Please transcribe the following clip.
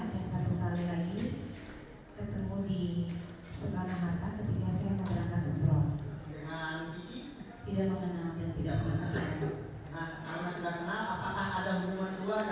dan satu kali lagi ketemu di sukarno mata ketika saya mau berangkat buperon